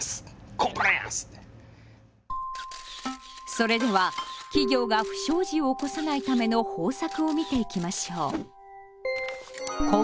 それでは企業が不祥事を起こさないための方策を見ていきましょう。